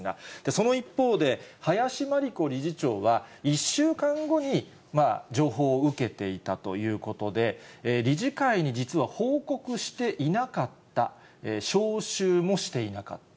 その一方で、林真理子理事長は、１週間後に情報を受けていたということで、理事会に実は報告していなかった、招集もしていなかった。